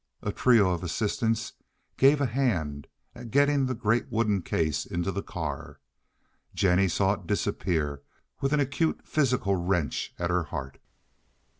A trio of assistants "gave a hand" at getting the great wooden case into the car. Jennie saw it disappear with an acute physical wrench at her heart.